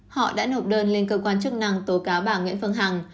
họ đã nộp đơn lên cơ quan chức năng tố cáo bà nguyễn phương hằng